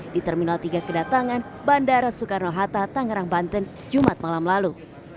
di terminal tiga kedatangan bandara soekarno hatta tangerang banten jumat malam lalu